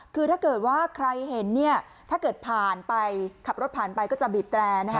คือถ้าเกิดว่าใครเห็นเนี่ยถ้าเกิดผ่านไปขับรถผ่านไปก็จะบีบแตรนะคะ